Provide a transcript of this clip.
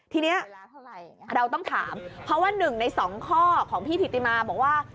ทีนี้เราต้องถามเพราะว่า๑ใน๒ข้อของพี่ถิติมาบอกว่า